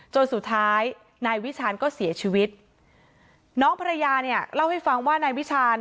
จนสุดท้ายนายวิชาญก็เสียชีวิตน้องภรรยาเนี่ยเล่าให้ฟังว่านายวิชาญ